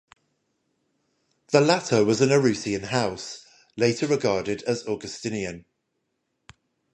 The latter was an Arrouasian house, later regarded as Augustinian.